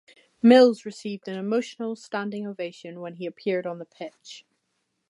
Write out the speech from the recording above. Mills received an emotional standing ovation when he appeared on the pitch.